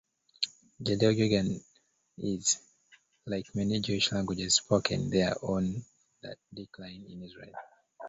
Judaeo-Georgian is, like many Jewish languages spoken there, on the decline in Israel.